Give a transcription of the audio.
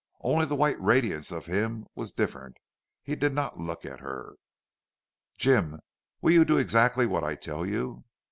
Only the white radiance of him was different. He did not look at her. "Jim, will you do exactly what I tell you?"